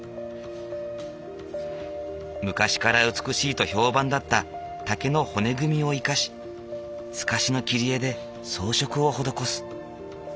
昔から美しいと評判だった竹の骨組みを生かし透かしの切り絵で装飾を施す。